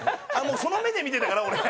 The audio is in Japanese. その目で見てたから俺。